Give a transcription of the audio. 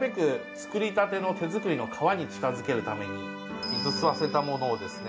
作りたての手作りの皮に近づけるために水を吸わせたものをですね